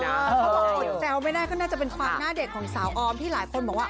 เขาบอกอดแซวไม่ได้ก็น่าจะเป็นความหน้าเด็กของสาวออมที่หลายคนบอกว่า